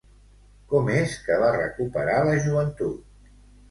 Com és que va recuperar la joventut?